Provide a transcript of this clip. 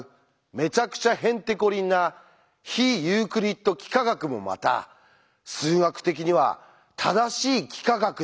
めちゃくちゃへんてこりんな非ユークリッド幾何学もまた数学的には正しい幾何学だったなんて。